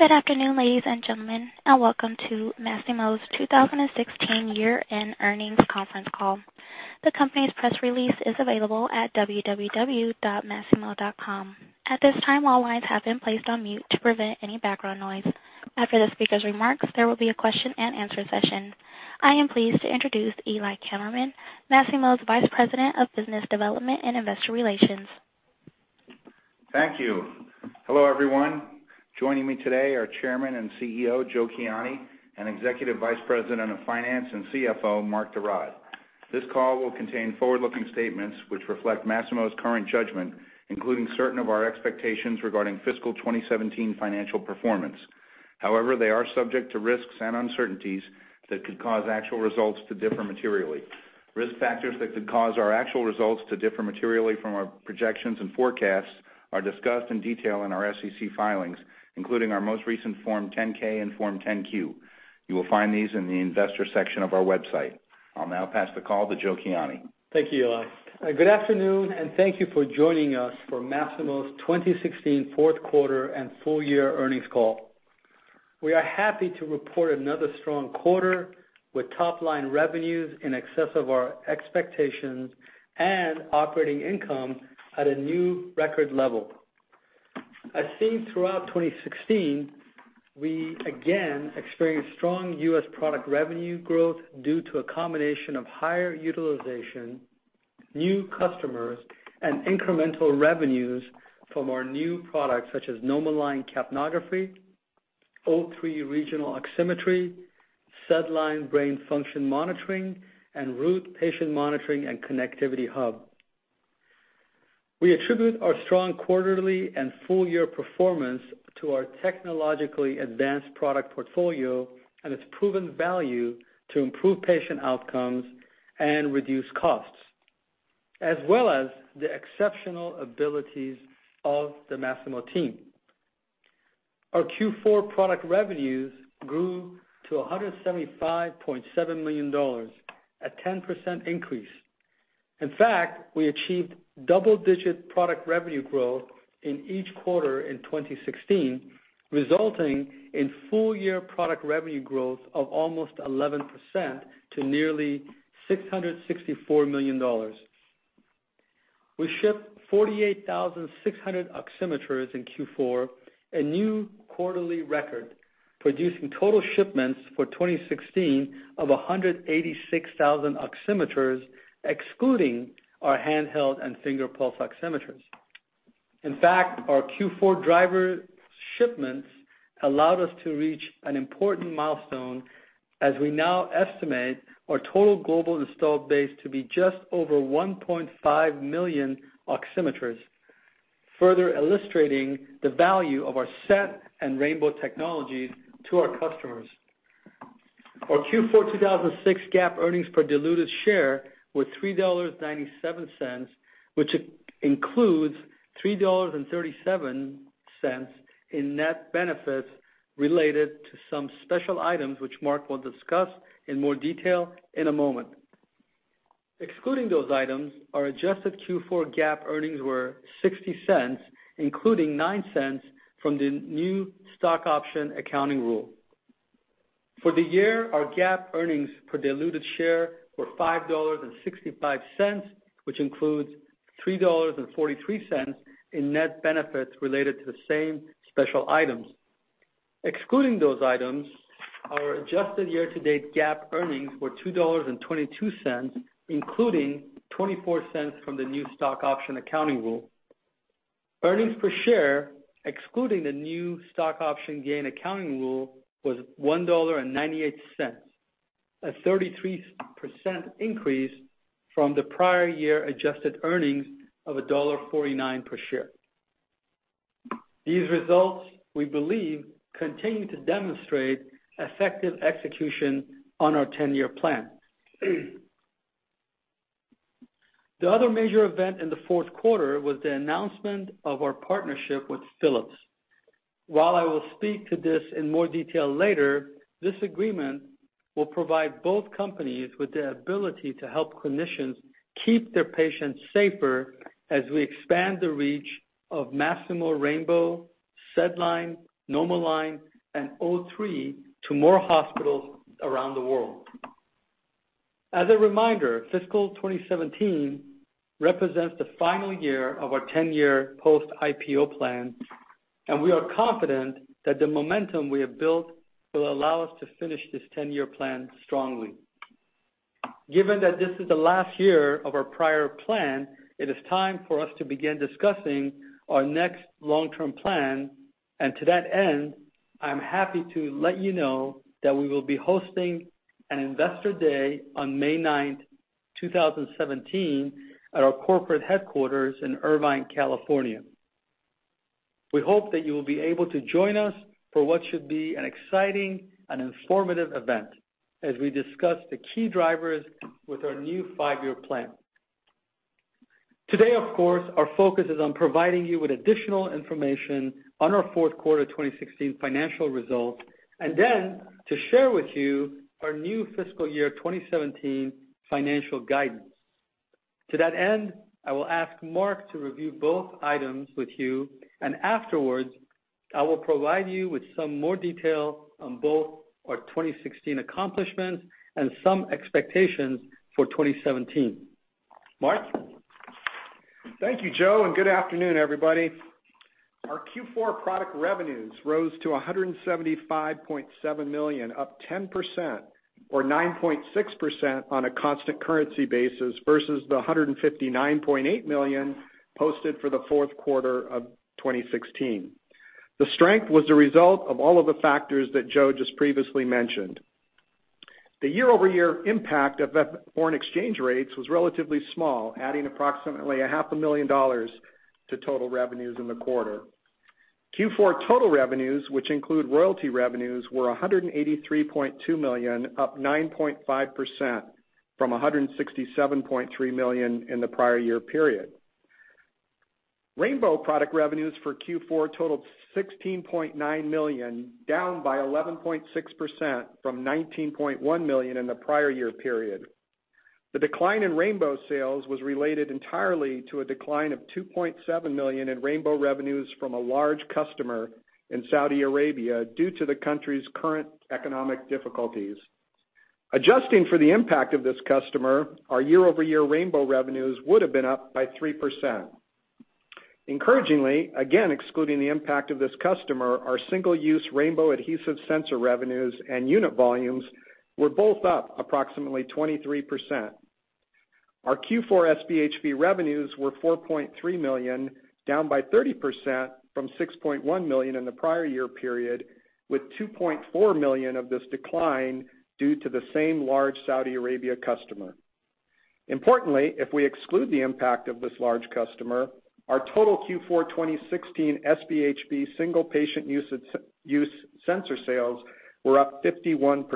Good afternoon, ladies and gentlemen, welcome to Masimo's 2016 year-end earnings conference call. The company's press release is available at www.masimo.com. At this time, all lines have been placed on mute to prevent any background noise. After the speaker's remarks, there will be a question and answer session. I am pleased to introduce Eli Kammerman, Masimo's Vice President of Business Development and Investor Relations. Thank you. Hello, everyone. Joining me today are Chairman and CEO, Joe Kiani, Executive Vice President of Finance and CFO, Mark Durad. This call will contain forward-looking statements which reflect Masimo's current judgment, including certain of our expectations regarding fiscal 2017 financial performance. They are subject to risks and uncertainties that could cause actual results to differ materially. Risk factors that could cause our actual results to differ materially from our projections and forecasts are discussed in detail in our SEC filings, including our most recent Form 10-K and Form 10-Q. You will find these in the Investors section of our website. I'll now pass the call to Joe Kiani. Thank you, Eli. Good afternoon, thank you for joining us for Masimo's 2016 fourth quarter and full year earnings call. We are happy to report another strong quarter, with top-line revenues in excess of our expectations and operating income at a new record level. As seen throughout 2016, we again experienced strong U.S. product revenue growth due to a combination of higher utilization, new customers, and incremental revenues from our new products, such as NomoLine capnography, O3 regional oximetry, SedLine brain function monitoring, and Root patient monitoring and connectivity hub. We attribute our strong quarterly and full year performance to our technologically advanced product portfolio and its proven value to improve patient outcomes and reduce costs, as well as the exceptional abilities of the Masimo team. Our Q4 product revenues grew to $175.7 million, a 10% increase. In fact, we achieved double-digit product revenue growth in each quarter in 2016, resulting in full-year product revenue growth of almost 11% to nearly $664 million. We shipped 48,600 oximeters in Q4, a new quarterly record, producing total shipments for 2016 of 186,000 oximeters, excluding our handheld and finger pulse oximeters. In fact, our Q4 driver shipments allowed us to reach an important milestone, as we now estimate our total global installed base to be just over 1.5 million oximeters, further illustrating the value of our SET and Rainbow Technologies to our customers. Our Q4 2016 GAAP earnings per diluted share were $3.97, which includes $3.37 in net benefits related to some special items which Mark will discuss in more detail in a moment. Excluding those items, our adjusted Q4 GAAP earnings were $0.60, including $0.09 from the new stock option accounting rule. For the year, our GAAP earnings per diluted share were $5.65, which includes $3.43 in net benefits related to the same special items. Excluding those items, our adjusted year-to-date GAAP earnings were $2.22, including $0.24 from the new stock option accounting rule. Earnings per share, excluding the new stock option gain accounting rule, was $1.98, a 33% increase from the prior year adjusted earnings of $1.49 per share. These results, we believe, continue to demonstrate effective execution on our 10-year plan. The other major event in the fourth quarter was the announcement of our partnership with Philips. While I will speak to this in more detail later, this agreement will provide both companies with the ability to help clinicians keep their patients safer as we expand the reach of Masimo Rainbow, SedLine, NomoLine, and O3 to more hospitals around the world. As a reminder, fiscal 2017 represents the final year of our 10-year post-IPO plan, and we are confident that the momentum we have built will allow us to finish this 10-year plan strongly. Given that this is the last year of our prior plan, it is time for us to begin discussing our next long-term plan, and to that end, I'm happy to let you know that we will be hosting an Investor Day on May ninth, 2017, at our corporate headquarters in Irvine, California. Today, of course, our focus is on providing you with additional information on our fourth quarter 2016 financial results, and then to share with you our new fiscal year 2017 financial guidance. To that end, I will ask Mark to review both items with you, and afterwards, I will provide you with some more detail on both our 2016 accomplishments and some expectations for 2017. Mark? Thank you, Joe, and good afternoon, everybody. Our Q4 product revenues rose to $175.7 million, up 10%, or 9.6% on a constant currency basis, versus the $159.8 million posted for the fourth quarter of 2016. The strength was the result of all of the factors that Joe just previously mentioned. The year-over-year impact of foreign exchange rates was relatively small, adding approximately a half a million dollars to total revenues in the quarter. Q4 total revenues, which include royalty revenues, were $183.2 million, up 9.5% from $167.3 million in the prior year period. Rainbow product revenues for Q4 totaled $16.9 million, down by 11.6% from $19.1 million in the prior year period. The decline in Rainbow sales was related entirely to a decline of $2.7 million in Rainbow revenues from a large customer in Saudi Arabia due to the country's current economic difficulties. Adjusting for the impact of this customer, our year-over-year Rainbow revenues would have been up by 3%. Encouragingly, again, excluding the impact of this customer, our single-use Rainbow adhesive sensor revenues and unit volumes were both up approximately 23%. Our Q4 SpHb revenues were $4.3 million, down by 30% from $6.1 million in the prior year period, with $2.4 million of this decline due to the same large Saudi Arabia customer. Importantly, if we exclude the impact of this large customer, our total Q4 2016 SpHb single-patient use sensor sales were up 51%.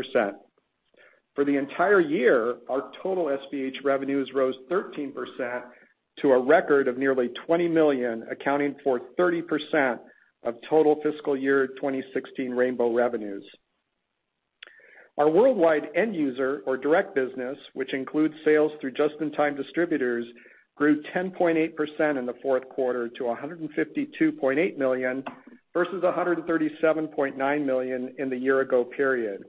For the entire year, our total SpHb revenues rose 13% to a record of nearly $20 million, accounting for 30% of total fiscal year 2016 Rainbow revenues. Our worldwide end user or direct business, which includes sales through Just-In-Time Distributors, grew 10.8% in the fourth quarter to $152.8 million, versus $137.9 million in the year-ago period.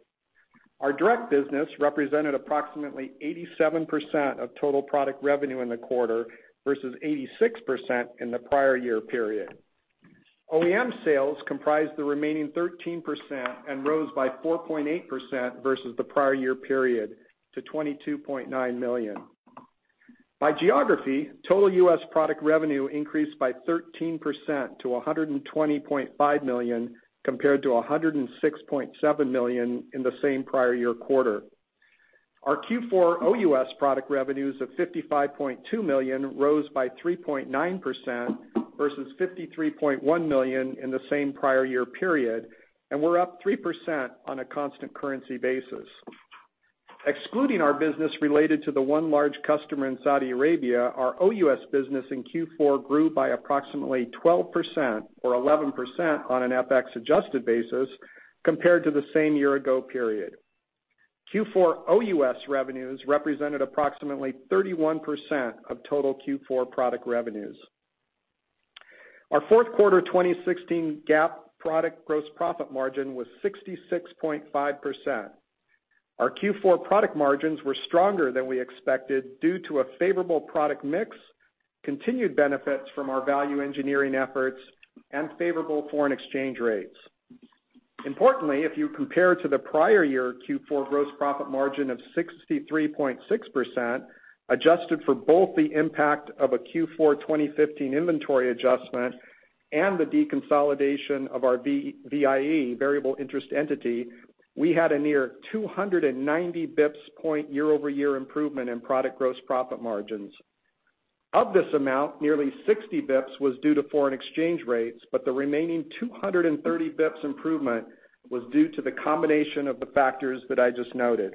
Our direct business represented approximately 87% of total product revenue in the quarter versus 86% in the prior year period. OEM sales comprised the remaining 13% and rose by 4.8% versus the prior year period to $22.9 million. By geography, total U.S. product revenue increased by 13% to $120.5 million compared to $106.7 million in the same prior year quarter. Our Q4 OUS product revenues of $55.2 million rose by 3.9% versus $53.1 million in the same prior year period, and were up 3% on a constant currency basis. Excluding our business related to the one large customer in Saudi Arabia, our OUS business in Q4 grew by approximately 12%, or 11% on an FX adjusted basis, compared to the same year-ago period. Q4 OUS revenues represented approximately 31% of total Q4 product revenues. Our fourth quarter 2016 GAAP product gross profit margin was 66.5%. Our Q4 product margins were stronger than we expected due to a favorable product mix, continued benefits from our value engineering efforts, and favorable foreign exchange rates. Importantly, if you compare to the prior year Q4 gross profit margin of 63.6%, adjusted for both the impact of a Q4 2015 inventory adjustment and the deconsolidation of our VIE, variable interest entity, we had a near 290 bips point year-over-year improvement in product gross profit margins. Of this amount, nearly 60 bips was due to foreign exchange rates, but the remaining 230 bips improvement was due to the combination of the factors that I just noted.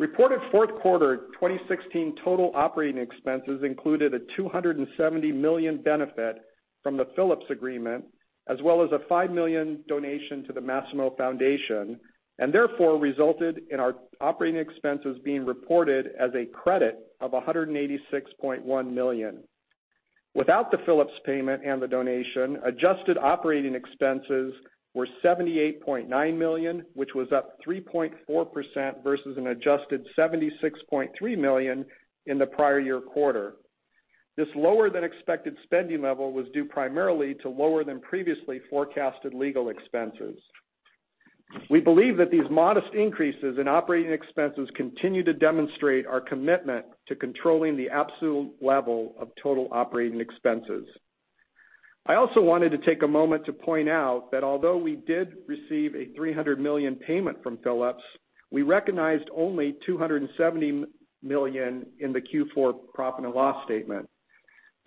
Reported fourth quarter 2016 total operating expenses included a $270 million benefit from the Philips agreement, as well as a $5 million donation to the Masimo Foundation, and therefore resulted in our operating expenses being reported as a credit of $186.1 million. Without the Philips payment and the donation, adjusted operating expenses were $78.9 million, which was up 3.4% versus an adjusted $76.3 million in the prior year quarter. This lower than expected spending level was due primarily to lower than previously forecasted legal expenses. We believe that these modest increases in operating expenses continue to demonstrate our commitment to controlling the absolute level of total operating expenses. I also wanted to take a moment to point out that although we did receive a $300 million payment from Philips, we recognized only $270 million in the Q4 profit and loss statement.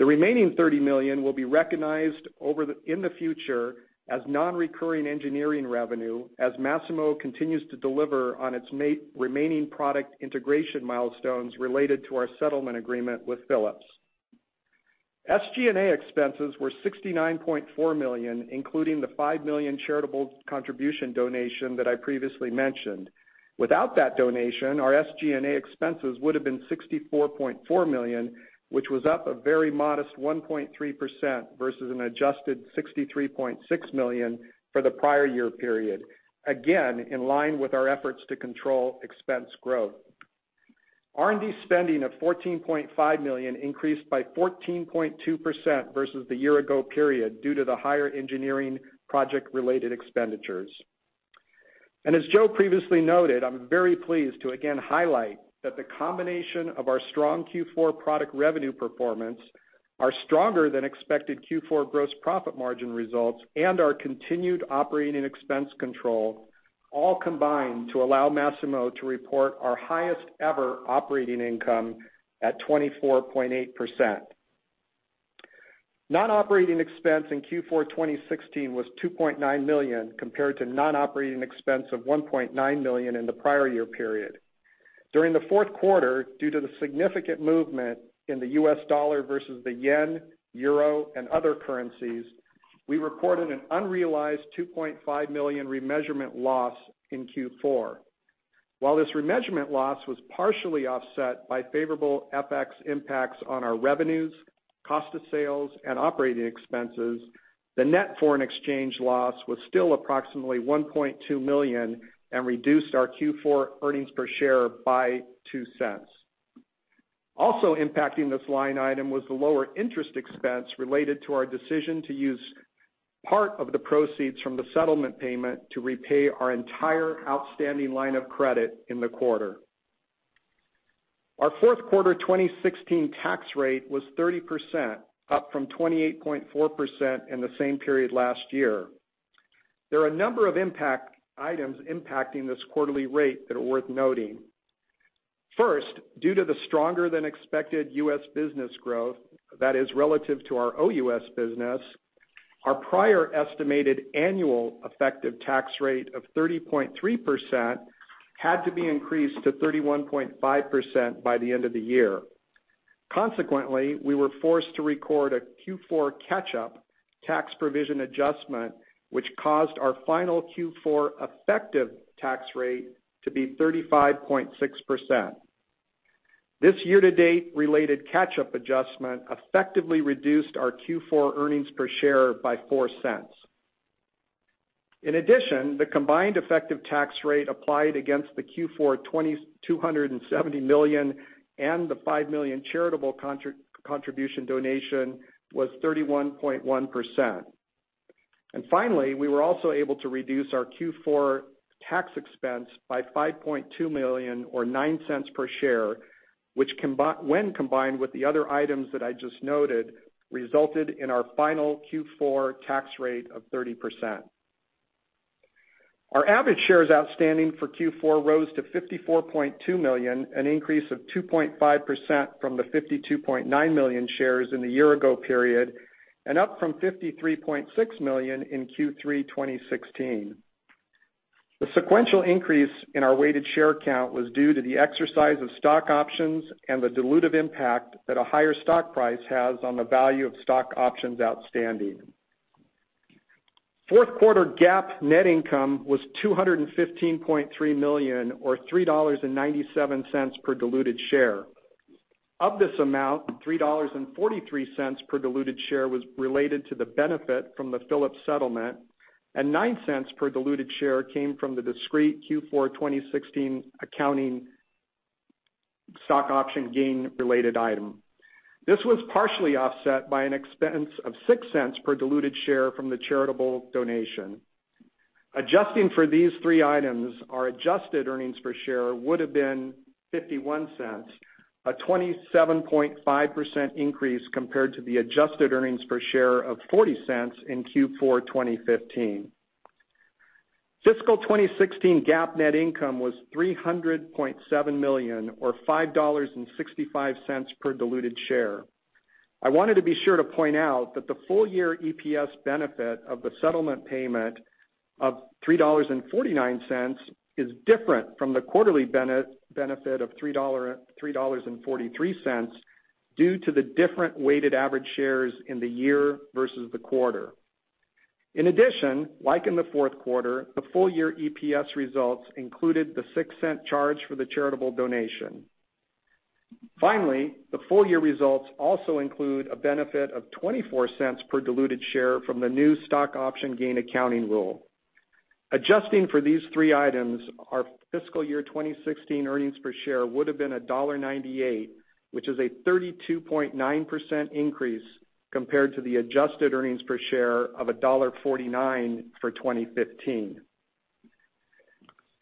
The remaining $30 million will be recognized in the future as non-recurring engineering revenue as Masimo continues to deliver on its remaining product integration milestones related to our settlement agreement with Philips. SG&A expenses were $69.4 million, including the $5 million charitable contribution donation that I previously mentioned. Without that donation, our SG&A expenses would have been $64.4 million, which was up a very modest 1.3% versus an adjusted $63.6 million for the prior year period, again, in line with our efforts to control expense growth. R&D spending of $14.5 million increased by 14.2% versus the year ago period due to the higher engineering project-related expenditures. As Joe previously noted, I am very pleased to again highlight that the combination of our strong Q4 product revenue performance are stronger than expected Q4 gross profit margin results and our continued operating expense control all combined to allow Masimo to report our highest ever operating income at 24.8%. Non-operating expense in Q4 2016 was $2.9 million compared to non-operating expense of $1.9 million in the prior year period. During the fourth quarter, due to the significant movement in the U.S. dollar versus the JPY, EUR, and other currencies, we reported an unrealized $2.5 million remeasurement loss in Q4. While this remeasurement loss was partially offset by favorable FX impacts on our revenues, cost of sales, and operating expenses, the net foreign exchange loss was still approximately $1.2 million and reduced our Q4 earnings per share by $0.02. Also impacting this line item was the lower interest expense related to our decision to use part of the proceeds from the settlement payment to repay our entire outstanding line of credit in the quarter. Our fourth quarter 2016 tax rate was 30%, up from 28.4% in the same period last year. There are a number of items impacting this quarterly rate that are worth noting. First, due to the stronger than expected U.S. business growth that is relative to our OUS business, our prior estimated annual effective tax rate of 30.3% had to be increased to 31.5% by the end of the year. Consequently, we were forced to record a Q4 catch-up tax provision adjustment, which caused our final Q4 effective tax rate to be 35.6%. This year-to-date related catch-up adjustment effectively reduced our Q4 earnings per share by $0.04. In addition, the combined effective tax rate applied against the Q4 $270 million and the $5 million charitable contribution donation was 31.1%. Finally, we were also able to reduce our Q4 tax expense by $5.2 million or $0.09 per share, when combined with the other items that I just noted, resulted in our final Q4 tax rate of 30%. Our average shares outstanding for Q4 rose to 54.2 million, an increase of 2.5% from the 52.9 million shares in the year ago period, and up from 53.6 million in Q3 2016. The sequential increase in our weighted share count was due to the exercise of stock options and the dilutive impact that a higher stock price has on the value of stock options outstanding. Fourth quarter GAAP net income was $215.3 million or $3.97 per diluted share. Of this amount, $3.43 per diluted share was related to the benefit from the Philips settlement, and $0.09 per diluted share came from the discrete Q4 2016 accounting stock option gain related item. This was partially offset by an expense of $0.06 per diluted share from the charitable donation. Adjusting for these three items, our adjusted earnings per share would have been $0.51, a 27.5% increase compared to the adjusted earnings per share of $0.40 in Q4 2015. Fiscal 2016 GAAP net income was $300.7 million or $5.65 per diluted share. I wanted to be sure to point out that the full year EPS benefit of the settlement payment of $3.49 is different from the quarterly benefit of $3.43 due to the different weighted average shares in the year versus the quarter. In addition, like in the fourth quarter, the full year EPS results included the $0.06 charge for the charitable donation. Finally, the full year results also include a benefit of $0.24 per diluted share from the new stock option gain accounting rule. Adjusting for these three items, our fiscal year 2016 earnings per share would have been $1.98, which is a 32.9% increase compared to the adjusted earnings per share of $1.49 for 2015.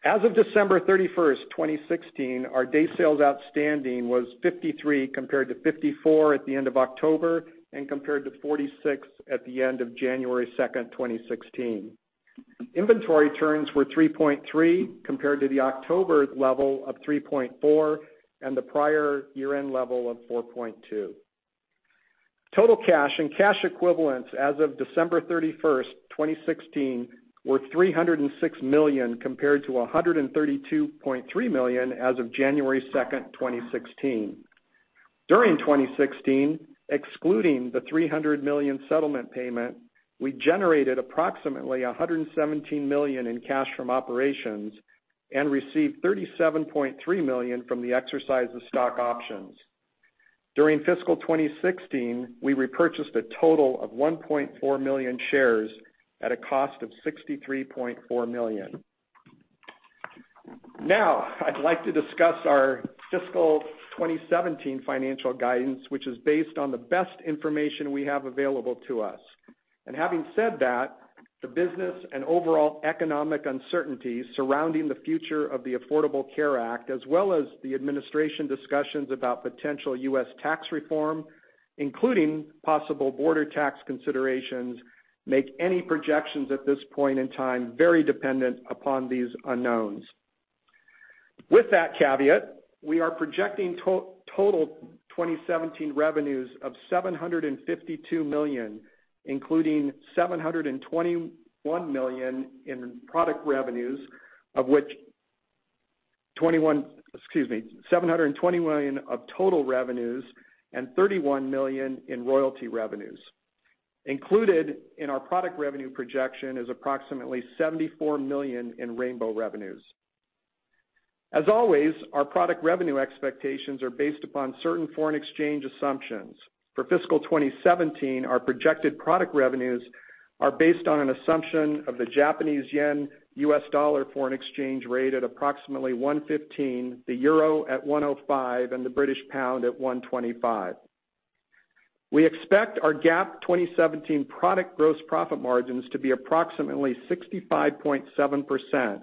As of December 31st, 2016, our day sales outstanding was 53 compared to 54 at the end of October and compared to 46 at the end of January 2nd, 2016. Inventory turns were 3.3 compared to the October level of 3.4 and the prior year-end level of 4.2. Total cash and cash equivalents as of December 31st, 2016 were $306 million compared to $132.3 million as of January 2nd, 2016. During 2016, excluding the $300 million settlement payment, we generated approximately $117 million in cash from operations and received $37.3 million from the exercise of stock options. During fiscal 2016, we repurchased a total of 1.4 million shares at a cost of $63.4 million. I'd like to discuss our fiscal 2017 financial guidance, which is based on the best information we have available to us. Having said that, the business and overall economic uncertainties surrounding the future of the Affordable Care Act, as well as the administration discussions about potential U.S. tax reform, including possible border tax considerations, make any projections at this point in time very dependent upon these unknowns. With that caveat, we are projecting total 2017 revenues of $752 million, including $721 million in product revenues, of which $720 million of total revenues and $31 million in royalty revenues. Included in our product revenue projection is approximately $74 million in rainbow revenues. As always, our product revenue expectations are based upon certain foreign exchange assumptions. For fiscal 2017, our projected product revenues are based on an assumption of the Japanese yen/U.S. dollar foreign exchange rate at approximately 115, the euro at 1.05, and the British pound at 1.25. We expect our GAAP 2017 product gross profit margins to be approximately 65.7%,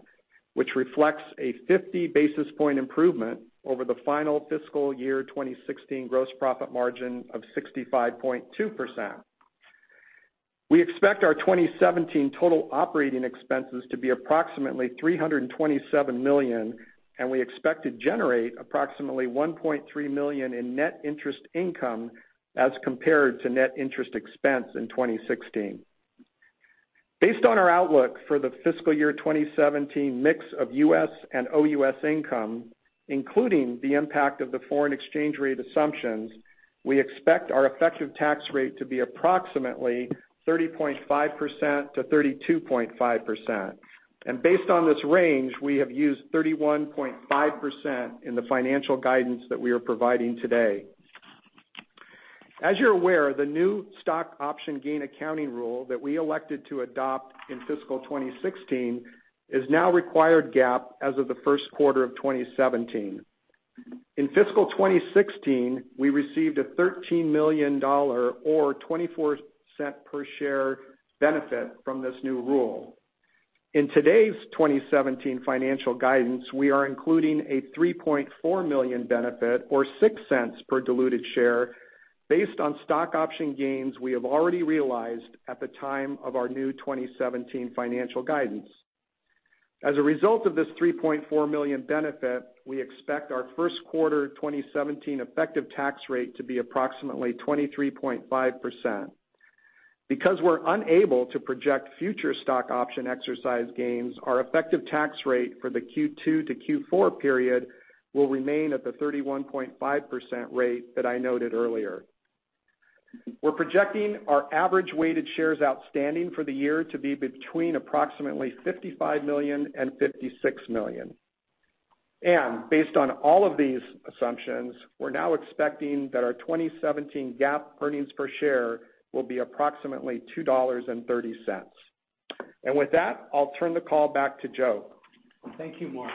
which reflects a 50-basis point improvement over the final fiscal year 2016 gross profit margin of 65.2%. We expect our 2017 total operating expenses to be approximately $327 million. We expect to generate approximately $1.3 million in net interest income as compared to net interest expense in 2016. Based on our outlook for the fiscal year 2017 mix of U.S. and OUS income, including the impact of the foreign exchange rate assumptions, we expect our effective tax rate to be approximately 30.5%-32.5%. Based on this range, we have used 31.5% in the financial guidance that we are providing today. As you're aware, the new stock option gain accounting rule that we elected to adopt in fiscal 2016 is now required GAAP as of the first quarter of 2017. In fiscal 2016, we received a $13 million or $0.24 per share benefit from this new rule. In today's 2017 financial guidance, we are including a $3.4 million benefit or $0.06 per diluted share based on stock option gains we have already realized at the time of our new 2017 financial guidance. As a result of this $3.4 million benefit, we expect our first quarter 2017 effective tax rate to be approximately 23.5%. Because we're unable to project future stock option exercise gains, our effective tax rate for the Q2 to Q4 period will remain at the 31.5% rate that I noted earlier. We're projecting our average weighted shares outstanding for the year to be between approximately 55 million and 56 million. Based on all of these assumptions, we're now expecting that our 2017 GAAP earnings per share will be approximately $2.30. With that, I'll turn the call back to Joe. Thank you, Mark.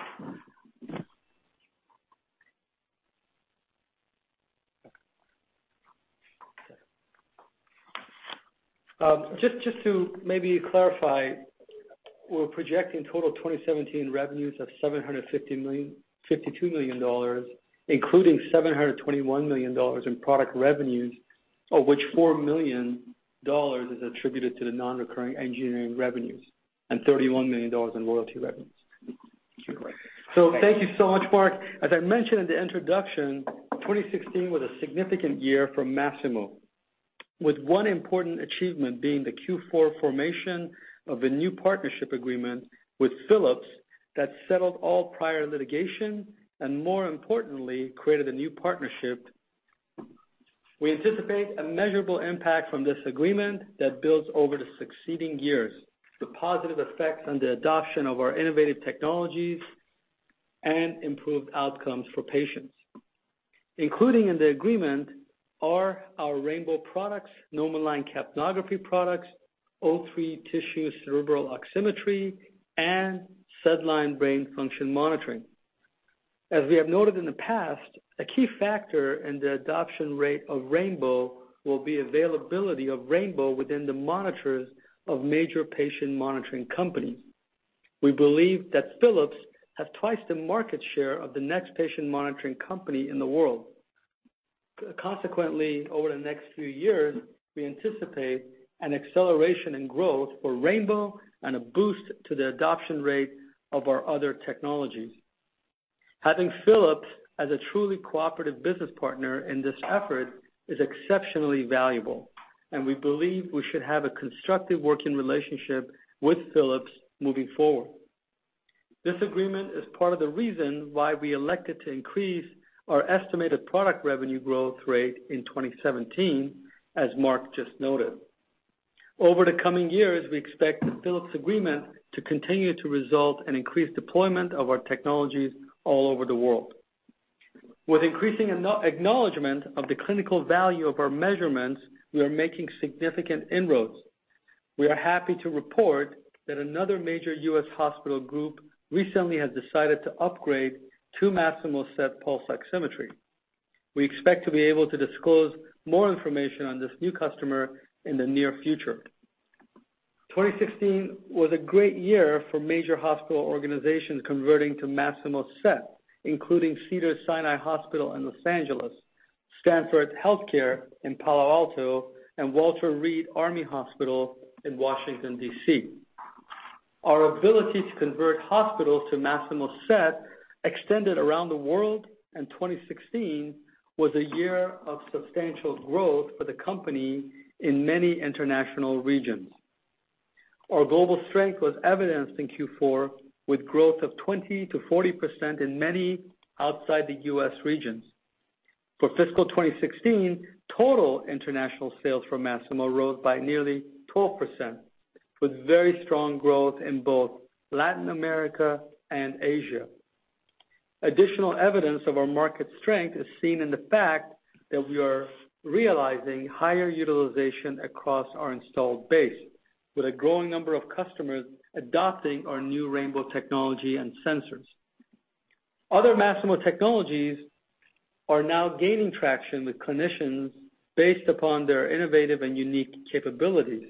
Just to maybe clarify, we're projecting total 2017 revenues of $752 million, including $721 million in product revenues, of which $4 million is attributed to the non-recurring engineering revenues and $31 million in royalty revenues. That's correct. Thank you so much, Mark. As I mentioned in the introduction, 2016 was a significant year for Masimo, with one important achievement being the Q4 formation of the new partnership agreement with Philips that settled all prior litigation and, more importantly, created a new partnership. We anticipate a measurable impact from this agreement that builds over the succeeding years, the positive effects on the adoption of our innovative technologies, and improved outcomes for patients. Including in the agreement are our Rainbow products, NomoLine capnography products, O3 tissue cerebral oximetry, and SedLine brain function monitoring. As we have noted in the past, a key factor in the adoption rate of Rainbow will be availability of Rainbow within the monitors of major patient monitoring companies. We believe that Philips has twice the market share of the next patient monitoring company in the world. Over the next few years, we anticipate an acceleration in growth for Rainbow and a boost to the adoption rate of our other technologies. Having Philips as a truly cooperative business partner in this effort is exceptionally valuable, and we believe we should have a constructive working relationship with Philips moving forward. This agreement is part of the reason why we elected to increase our estimated product revenue growth rate in 2017, as Mark just noted. Over the coming years, we expect the Philips agreement to continue to result in increased deployment of our technologies all over the world. With increasing acknowledgment of the clinical value of our measurements, we are making significant inroads. We are happy to report that another major U.S. hospital group recently has decided to upgrade to Masimo SET pulse oximetry. We expect to be able to disclose more information on this new customer in the near future. 2016 was a great year for major hospital organizations converting to Masimo SET, including Cedars-Sinai Hospital in L.A., Stanford Health Care in Palo Alto, and Walter Reed Army Hospital in Washington, D.C. Our ability to convert hospitals to Masimo SET extended around the world, and 2016 was a year of substantial growth for the company in many international regions. Our global strength was evidenced in Q4 with growth of 20%-40% in many outside the U.S. regions. For fiscal 2016, total international sales for Masimo rose by nearly 12%, with very strong growth in both Latin America and Asia. Additional evidence of our market strength is seen in the fact that we are realizing higher utilization across our installed base, with a growing number of customers adopting our new Rainbow technology and sensors. Other Masimo technologies are now gaining traction with clinicians based upon their innovative and unique capabilities.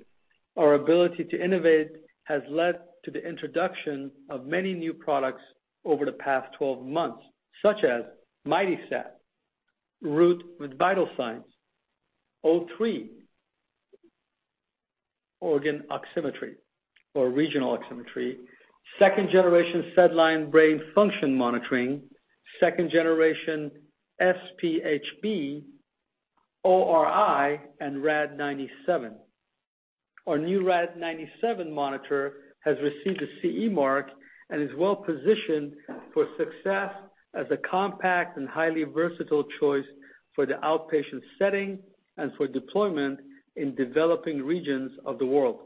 Our ability to innovate has led to the introduction of many new products over the past 12 months, such as MightySat, Root with Vital Signs, O3, organ oximetry or regional oximetry, second generation SedLine brain function monitoring, second generation SpHb, ORI and RAD-97. Our new RAD-97 monitor has received a CE mark and is well-positioned for success as a compact and highly versatile choice for the outpatient setting and for deployment in developing regions of the world.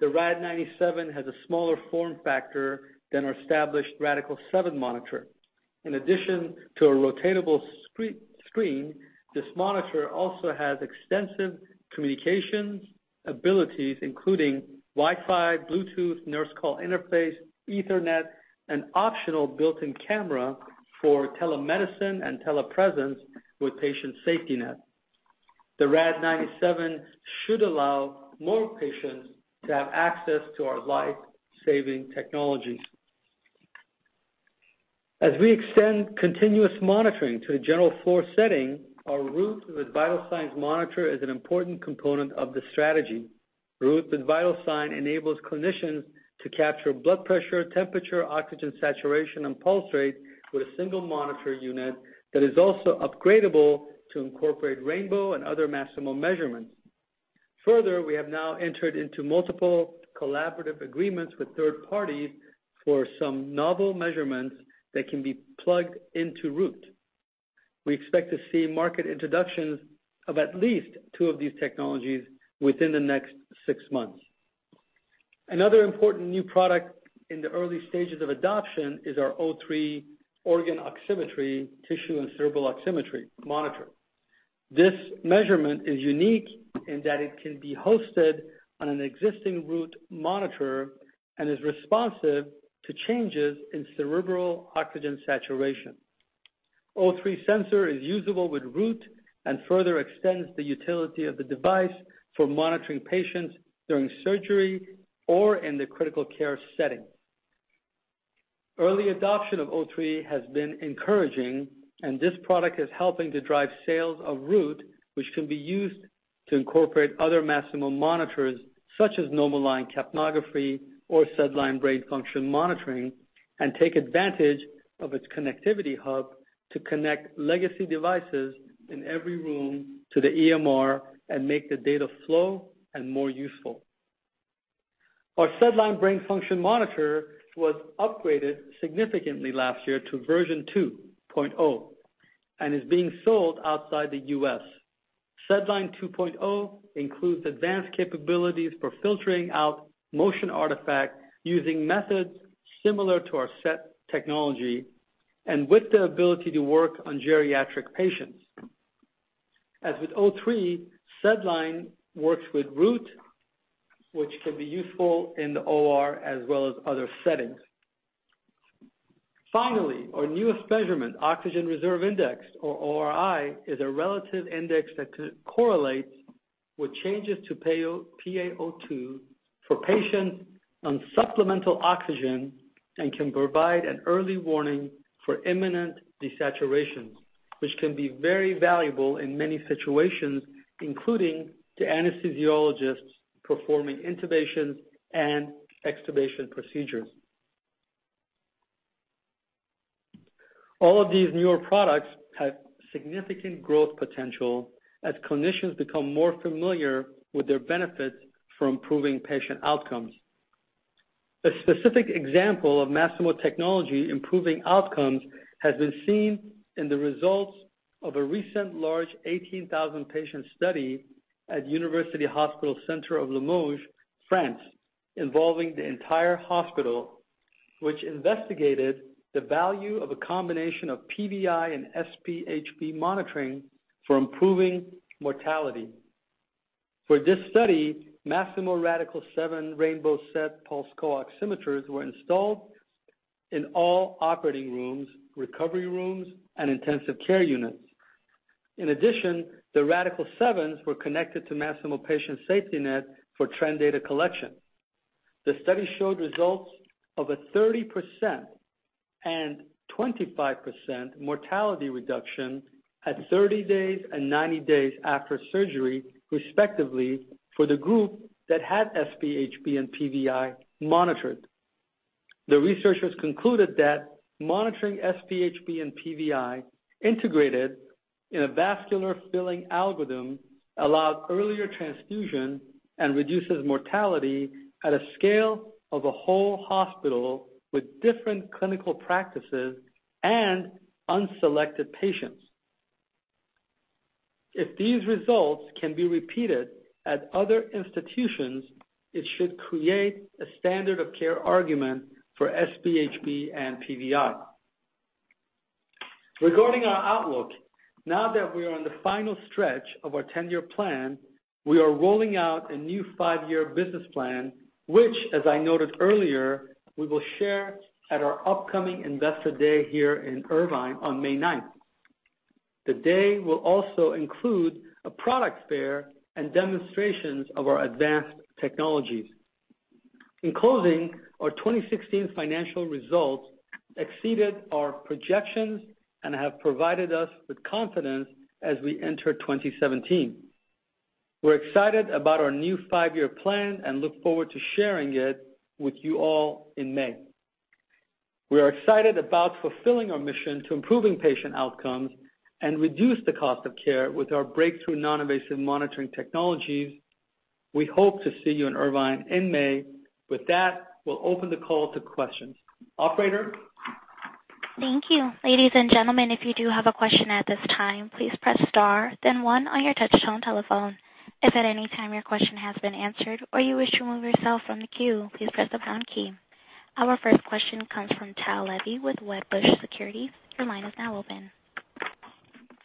The RAD-97 has a smaller form factor than our established Radical-7 monitor. In addition to a rotatable screen, this monitor also has extensive communications abilities, including Wi-Fi, Bluetooth, nurse call interface, ethernet, and optional built-in camera for telemedicine and telepresence with Patient SafetyNet. The Rad-97 should allow more patients to have access to our life-saving technologies. As we extend continuous monitoring to the general floor setting, our Root with Vital Signs monitor is an important component of the strategy. Root with Vital Signs enables clinicians to capture blood pressure, temperature, oxygen saturation, and pulse rate with a single monitor unit that is also upgradable to incorporate rainbow and other Masimo measurements. Further, we have now entered into multiple collaborative agreements with third parties for some novel measurements that can be plugged into Root. We expect to see market introductions of at least two of these technologies within the next six months. Another important new product in the early stages of adoption is our O3 organ oximetry, tissue and cerebral oximetry monitor. This measurement is unique in that it can be hosted on an existing Root monitor and is responsive to changes in cerebral oxygen saturation. O3 sensor is usable with Root and further extends the utility of the device for monitoring patients during surgery or in the critical care setting. Early adoption of O3 has been encouraging, and this product is helping to drive sales of Root, which can be used to incorporate other Masimo monitors, such as NomoLine capnography or SedLine brain function monitoring, and take advantage of its connectivity hub to connect legacy devices in every room to the EMR and make the data flow and more useful. Our SedLine brain function monitor was upgraded significantly last year to version 2.0 and is being sold outside the U.S. SedLine 2.0 includes advanced capabilities for filtering out motion artifact using methods similar to our SET technology and with the ability to work on geriatric patients. As with O3, SedLine works with Root, which can be useful in the OR as well as other settings. Finally, our newest measurement, Oxygen Reserve Index or ORi, is a relative index that correlates with changes to PaO2 for patients on supplemental oxygen and can provide an early warning for imminent desaturation, which can be very valuable in many situations, including to anesthesiologists performing intubation and extubation procedures. All of these newer products have significant growth potential as clinicians become more familiar with their benefits for improving patient outcomes. A specific example of Masimo technology improving outcomes has been seen in the results of a recent large 18,000-patient study at Centre hospitalier universitaire de Limoges, France, involving the entire hospital, which investigated the value of a combination of PVI and SpHb monitoring for improving mortality. For this study, Masimo Radical-7 Rainbow SET pulse oximeters were installed in all operating rooms, recovery rooms, and intensive care units. In addition, the Radical-7s were connected to Masimo Patient SafetyNet for trend data collection. The study showed results of a 30% and 25% mortality reduction at 30 days and 90 days after surgery, respectively, for the group that had SpHb and PVI monitored. The researchers concluded that monitoring SpHb and PVI integrated in a vascular filling algorithm allowed earlier transfusion and reduces mortality at a scale of a whole hospital with different clinical practices and unselected patients. If these results can be repeated at other institutions, it should create a standard of care argument for SpHb and PVI. Regarding our outlook, now that we are on the final stretch of our 10-year plan, we are rolling out a new five-year business plan, which, as I noted earlier, we will share at our upcoming investor day here in Irvine on May 9th. The day will also include a product fair and demonstrations of our advanced technologies. In closing, our 2016 financial results exceeded our projections and have provided us with confidence as we enter 2017. We're excited about our new five-year plan and look forward to sharing it with you all in May. We are excited about fulfilling our mission to improving patient outcomes and reduce the cost of care with our breakthrough non-invasive monitoring technologies. We hope to see you in Irvine in May. With that, we'll open the call to questions. Operator? Thank you. Ladies and gentlemen, if you do have a question at this time, please press star then one on your touch-tone telephone. If at any time your question has been answered or you wish to remove yourself from the queue, please press the pound key. Our first question comes from Tao Levy with Wedbush Securities. Your line is now open.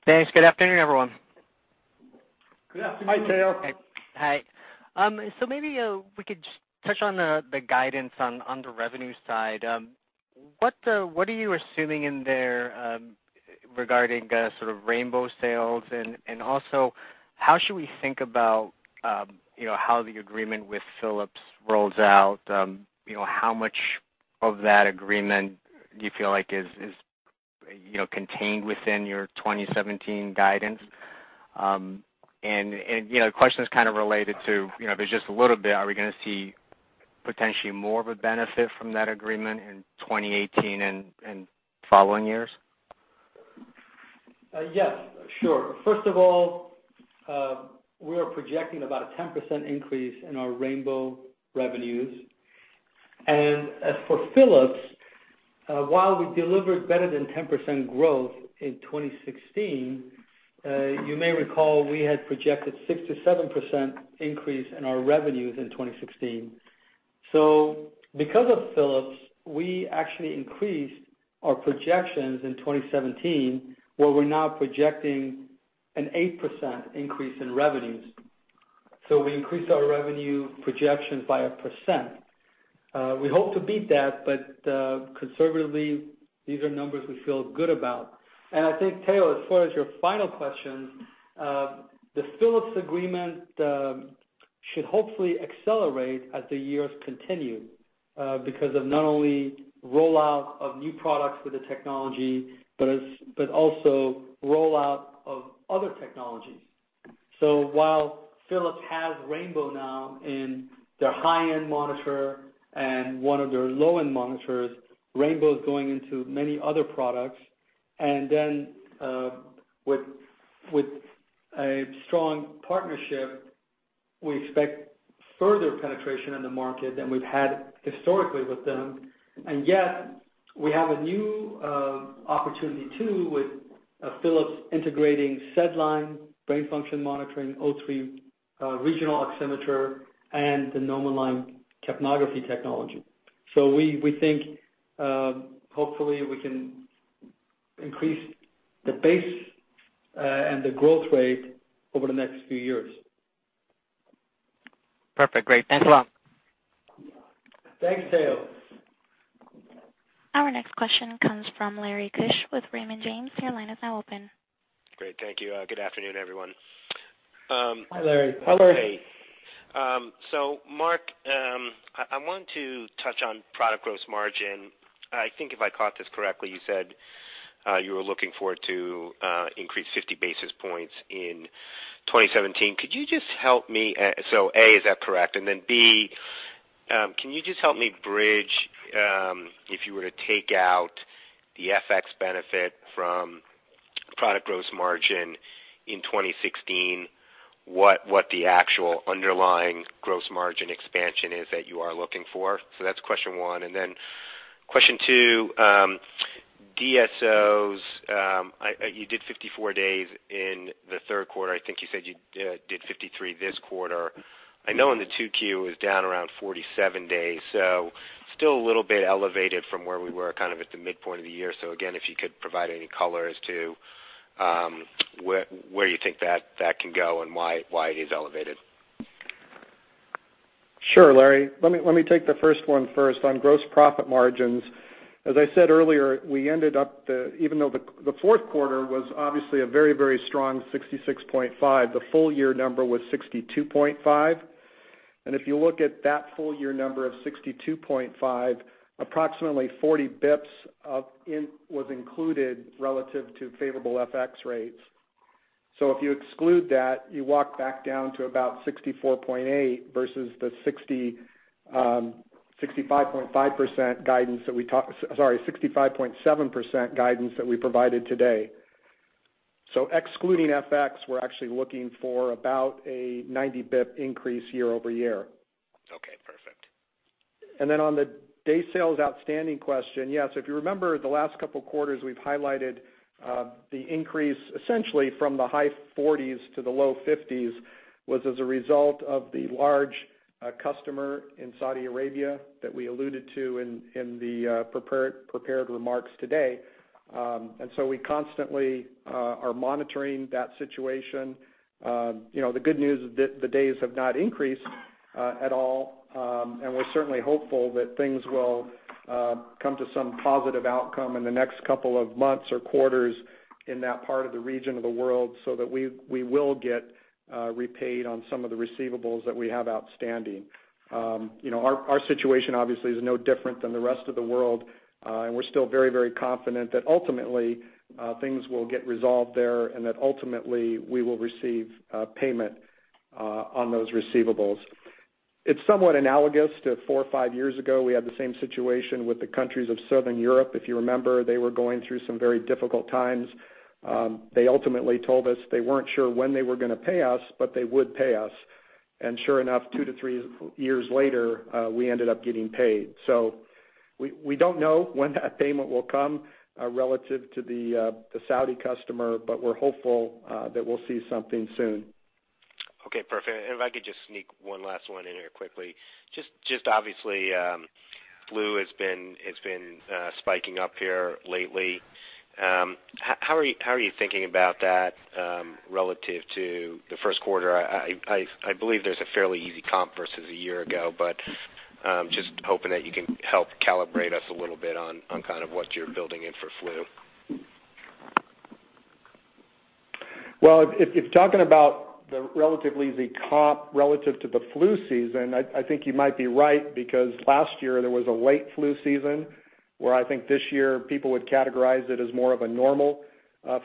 Thanks. Good afternoon, everyone. Good afternoon. Hi, Tao. Hi. Maybe we could just touch on the guidance on the revenue side. What are you assuming in there regarding sort of Rainbow sales? Also, how should we think about how the agreement with Philips rolls out? How much of that agreement do you feel like is contained within your 2017 guidance? The question is kind of related to, if it's just a little bit, are we going to see potentially more of a benefit from that agreement in 2018 and following years? Yes, sure. First of all, we are projecting about a 10% increase in our Rainbow revenues. As for Philips, while we delivered better than 10% growth in 2016, you may recall we had projected 6%-7% increase in our revenues in 2016. Because of Philips, we actually increased our projections in 2017, where we're now projecting an 8% increase in revenues. We increased our revenue projections by 1%. We hope to beat that, but conservatively, these are numbers we feel good about. I think, Tao, as far as your final question, the Philips agreement should hopefully accelerate as the years continue, because of not only rollout of new products with the technology, but also rollout of other technologies. While Philips has Rainbow now in their high-end monitor and one of their low-end monitors, Rainbow is going into many other products. With a strong partnership, we expect further penetration in the market than we've had historically with them. We have a new opportunity, too, with Philips integrating SedLine brain function monitoring, O3 regional oximeter, and the NomoLine capnography technology. We think hopefully we can increase the base and the growth rate over the next few years. Perfect. Great. Thanks a lot. Thanks, Tao. Our next question comes from Larry Keusch with Raymond James. Your line is now open. Great. Thank you. Good afternoon, everyone. Hi, Larry. Hi, Larry. Hey. Mark, I want to touch on product gross margin. I think if I caught this correctly, you said you were looking forward to increase 50 basis points in 2017. Could you just help me, A, is that correct? B- Can you just help me bridge, if you were to take out the FX benefit from product gross margin in 2016, what the actual underlying gross margin expansion is that you are looking for? That's question one. Question two, DSOs, you did 54 days in the third quarter. I think you said you did 53 this quarter. I know in the 2Q it was down around 47 days, still a little bit elevated from where we were kind of at the midpoint of the year. Again, if you could provide any color as to where you think that can go and why it is elevated. Sure, Larry Keusch. Let me take the first one first. On gross profit margins, as I said earlier, even though the fourth quarter was obviously a very strong 66.5%, the full-year number was 62.5%. If you look at that full-year number of 62.5%, approximately 40 bps was included relative to favorable FX rates. If you exclude that, you walk back down to about 64.8% versus the 65.7% guidance that we provided today. Excluding FX, we're actually looking for about a 90 bp increase year-over-year. Okay, perfect. On the day sales outstanding question, yes, if you remember the last couple of quarters, we've highlighted the increase essentially from the high 40s to the low 50s was as a result of the large customer in Saudi Arabia that we alluded to in the prepared remarks today. We constantly are monitoring that situation. The good news is that the days have not increased at all, and we're certainly hopeful that things will come to some positive outcome in the next couple of months or quarters in that part of the region of the world so that we will get repaid on some of the receivables that we have outstanding. Our situation obviously is no different than the rest of the world, and we're still very confident that ultimately things will get resolved there and that ultimately we will receive payment on those receivables. It's somewhat analogous to four or five years ago, we had the same situation with the countries of Southern Europe. If you remember, they were going through some very difficult times. They ultimately told us they weren't sure when they were going to pay us, but they would pay us. Sure enough, two to three years later, we ended up getting paid. We don't know when that payment will come relative to the Saudi customer, but we're hopeful that we'll see something soon. Okay, perfect. If I could just sneak one last one in here quickly. Just obviously, flu has been spiking up here lately. How are you thinking about that relative to the first quarter? I believe there's a fairly easy comp versus a year ago, but just hoping that you can help calibrate us a little bit on kind of what you're building in for flu. Well, if talking about the relatively easy comp relative to the flu season, I think you might be right because last year there was a late flu season, where I think this year people would categorize it as more of a normal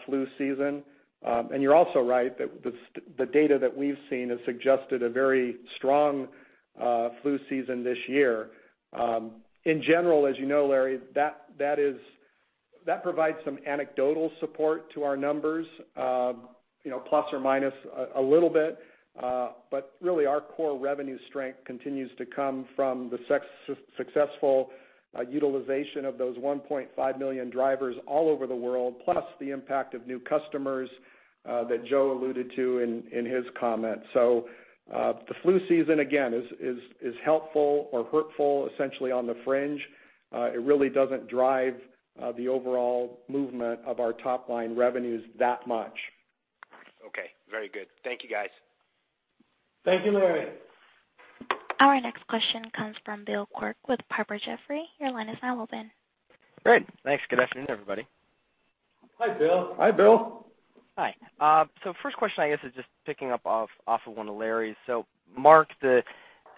flu season. You're also right that the data that we've seen has suggested a very strong flu season this year. In general, as you know, Larry, that provides some anecdotal support to our numbers, plus or minus a little bit. But really, our core revenue strength continues to come from the successful utilization of those 1.5 million drivers all over the world, plus the impact of new customers that Joe alluded to in his comments. The flu season, again, is helpful or hurtful essentially on the fringe. It really doesn't drive the overall movement of our top-line revenues that much. Okay, very good. Thank you, guys. Thank you, Larry. Our next question comes from Bill Quirk with Piper Jaffray. Your line is now open. Great. Thanks. Good afternoon, everybody. Hi, Bill. Hi, Bill. Hi. First question, I guess, is just picking up off of one of Larry's. Mark, the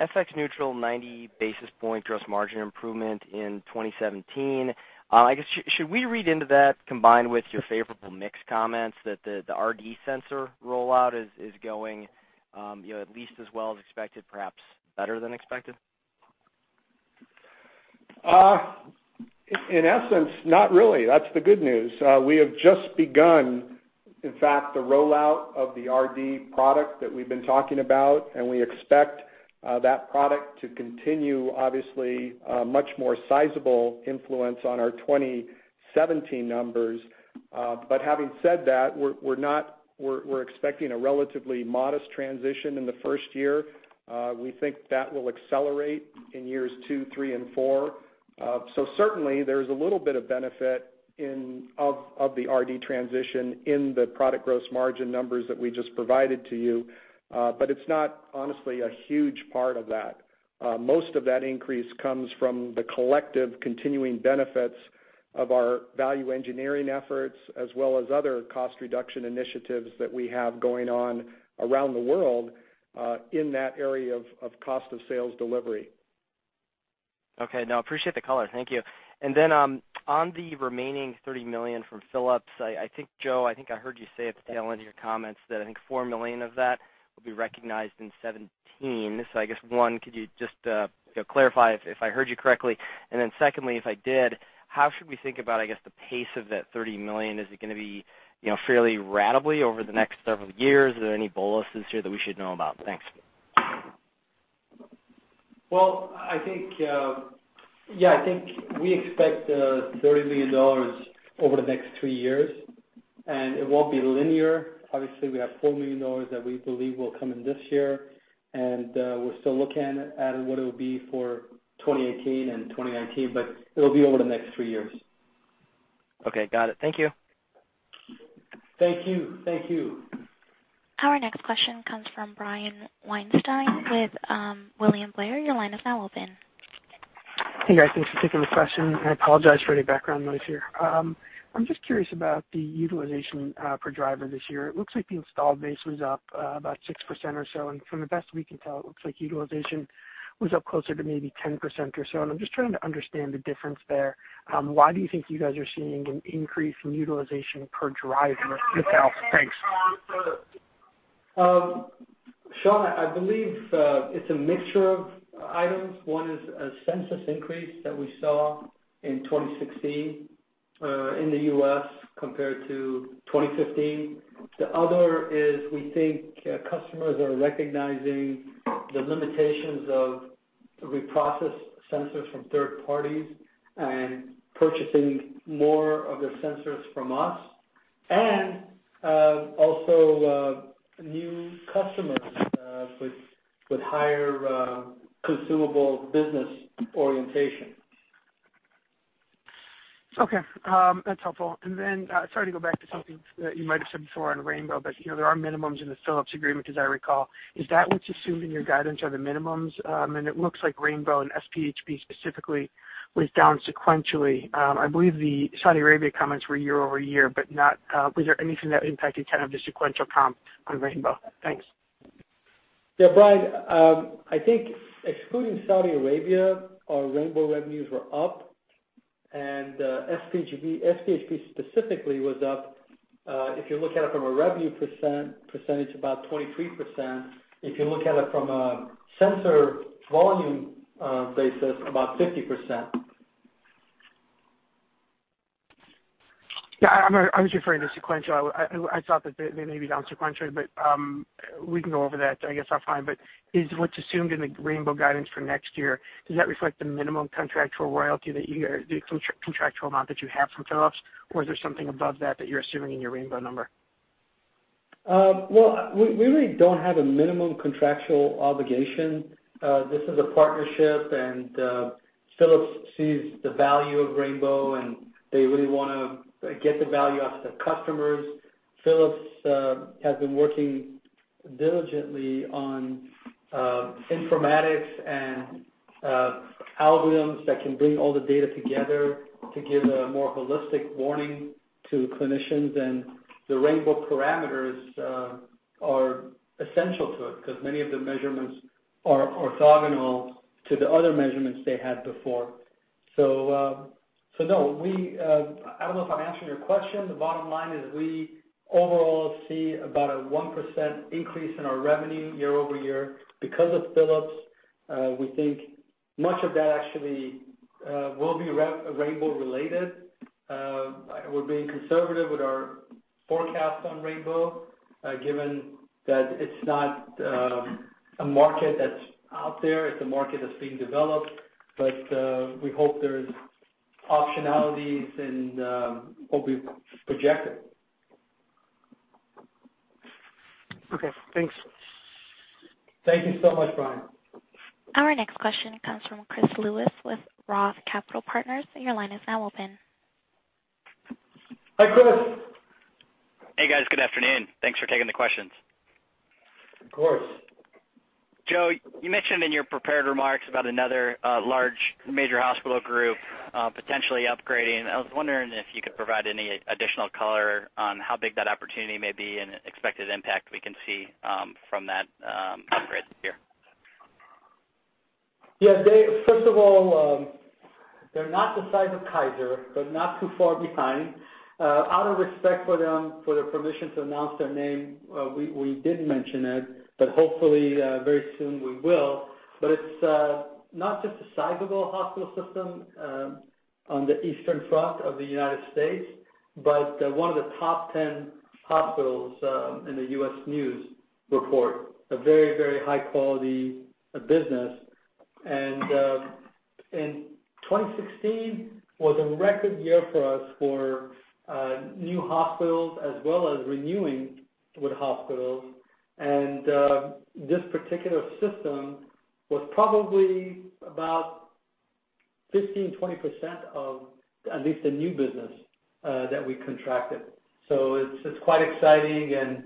FX neutral 90 basis point gross margin improvement in 2017, I guess, should we read into that combined with your favorable mix comments that the RD sensor rollout is going at least as well as expected, perhaps better than expected? In essence, not really. That's the good news. We have just begun, in fact, the rollout of the RD product that we've been talking about, and we expect that product to continue, obviously, a much more sizable influence on our 2017 numbers. Having said that, we're expecting a relatively modest transition in the first year. We think that will accelerate in years two, three, and four. Certainly, there's a little bit of benefit of the RD transition in the product gross margin numbers that we just provided to you, but it's not honestly a huge part of that. Most of that increase comes from the collective continuing benefits of our value engineering efforts, as well as other cost reduction initiatives that we have going on around the world in that area of cost of sales delivery. Okay. No, appreciate the color. Thank you. On the remaining $30 million from Philips, Joe, I think I heard you say at the tail end of your comments that I think $4 million of that will be recognized in 2017. I guess, 1, could you just clarify if I heard you correctly? And then secondly, if I did, how should we think about the pace of that $30 million? Is it going to be fairly ratably over the next several years? Are there any boluses here that we should know about? Thanks. Well, I think we expect $30 million over the next three years, it won't be linear. We have $4 million that we believe will come in this year, we're still looking at what it will be for 2018 and 2019, but it'll be over the next three years. Okay, got it. Thank you. Thank you. Our next question comes from Brian Weinstein with William Blair. Your line is now open. Hey, guys. Thanks for taking the question. I apologize for any background noise here. I'm just curious about the utilization per driver this year. It looks like the installed base was up about 6% or so, and from the best we can tell, it looks like utilization was up closer to maybe 10% or so, and I'm just trying to understand the difference there. Why do you think you guys are seeing an increase in utilization per driver this out? Thanks. Brian, I believe it's a mixture of items. One is a census increase that we saw in 2016 in the U.S. compared to 2015. The other is we think customers are recognizing the limitations of reprocessed sensors from third parties and purchasing more of their sensors from us. Also new customers with higher consumable business orientation. Okay. That's helpful. Then sorry to go back to something that you might've said before on Rainbow, but there are minimums in the Philips agreement, as I recall. Is that what's assumed in your guidance are the minimums? It looks like Rainbow and SpHb specifically was down sequentially. I believe the Saudi Arabia comments were year-over-year, but was there anything that impacted kind of the sequential comp on Rainbow? Thanks. Yeah, Brian, I think excluding Saudi Arabia, our Rainbow revenues were up, and SpHb specifically was up, if you look at it from a revenue percentage, about 23%. If you look at it from a sensor volume basis, about 50%. Yeah, I was referring to sequential. I thought that they may be down sequentially. We can go over that, I guess, offline. Is what's assumed in the Rainbow guidance for next year, does that reflect the minimum contractual royalty, the contractual amount that you have from Philips? Is there something above that that you're assuming in your Rainbow number? Well, we really don't have a minimum contractual obligation. This is a partnership. Philips sees the value of Rainbow, and they really want to get the value out to the customers. Philips has been working diligently on informatics and algorithms that can bring all the data together to give a more holistic warning to clinicians. The Rainbow parameters are essential to it because many of the measurements are orthogonal to the other measurements they had before. No. I don't know if I'm answering your question. The bottom line is we overall see about a 1% increase in our revenue year-over-year because of Philips. We think much of that actually will be Rainbow related. We're being conservative with our forecast on Rainbow, given that it's not a market that's out there. It's a market that's being developed. We hope there's optionalities and what we've projected. Okay, thanks. Thank you so much, Brian. Our next question comes from Chris Lewis with Roth Capital Partners. Your line is now open. Hi, Chris. Hey, guys. Good afternoon. Thanks for taking the questions. Of course. Joe, you mentioned in your prepared remarks about another large major hospital group potentially upgrading. I was wondering if you could provide any additional color on how big that opportunity may be and expected impact we can see from that upgrade this year. Yeah, first of all, they're not the size of Kaiser, not too far behind. Out of respect for them, for their permission to announce their name, we didn't mention it, hopefully very soon we will. It's not just a sizable hospital system on the Eastern front of the United States, but one of the top 10 hospitals in the U.S. News & World Report, a very high-quality business. 2016 was a record year for us for new hospitals as well as renewing with hospitals. This particular system was probably about 15%-20% of at least the new business that we contracted. It's quite exciting, and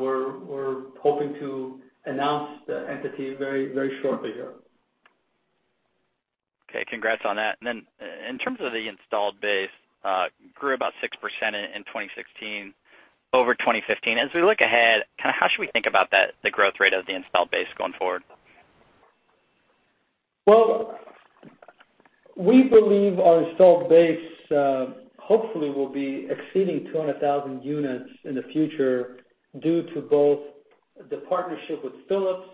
we're hoping to announce the entity very shortly here. Okay, congrats on that. Then in terms of the installed base, grew about 6% in 2016 over 2015. As we look ahead, how should we think about the growth rate of the installed base going forward? Well, we believe our installed base, hopefully, will be exceeding 200,000 units in the future due to both the partnership with Philips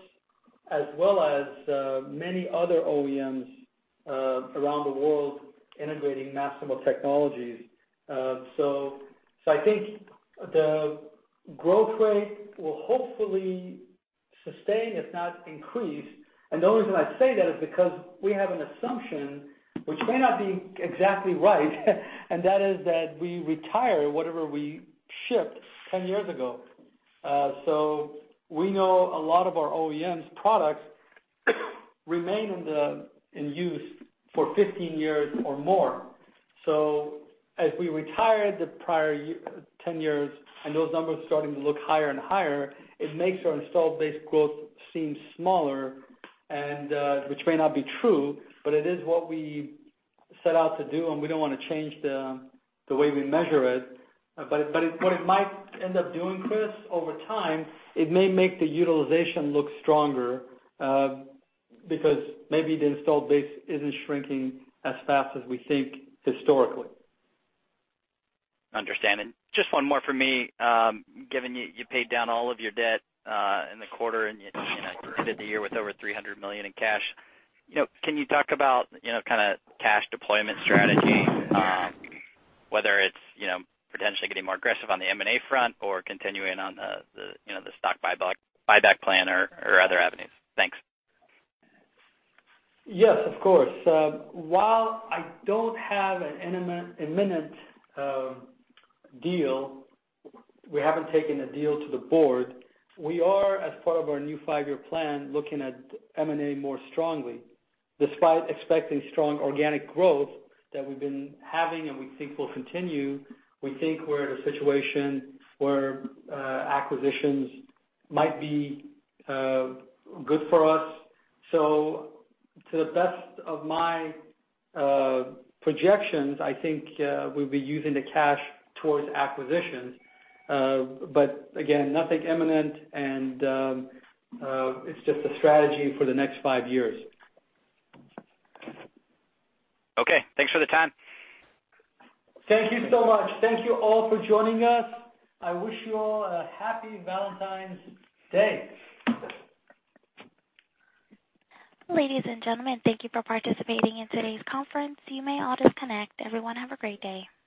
as well as many other OEMs around the world integrating Masimo technologies. I think the growth rate will hopefully sustain, if not increase. The reason I say that is because we have an assumption, which may not be exactly right, and that is that we retire whatever we shipped 10 years ago. We know a lot of our OEMs products remain in use for 15 years or more. As we retire the prior 10 years, and those numbers are starting to look higher and higher, it makes our installed base growth seem smaller, which may not be true, but it is what we set out to do, and we don't want to change the way we measure it. What it might end up doing, Chris, over time, it may make the utilization look stronger, because maybe the installed base isn't shrinking as fast as we think historically. Understanding. Just one more from me. Given you paid down all of your debt in the quarter, and you ended the year with over $300 million in cash, can you talk about cash deployment strategy, whether it's potentially getting more aggressive on the M&A front or continuing on the stock buyback plan or other avenues? Thanks. Yes, of course. While I don't have an imminent deal, we haven't taken a deal to the board. We are, as part of our new five-year plan, looking at M&A more strongly. Despite expecting strong organic growth that we've been having and we think will continue, we think we're in a situation where acquisitions might be good for us. To the best of my projections, I think we'll be using the cash towards acquisitions. Again, nothing imminent, and it's just a strategy for the next five years. Okay. Thanks for the time. Thank you so much. Thank you all for joining us. I wish you all a happy Valentine's Day. Ladies and gentlemen, thank you for participating in today's conference. You may all disconnect. Everyone have a great day.